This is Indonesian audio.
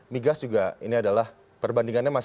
migas juga ini adalah perbandingannya masih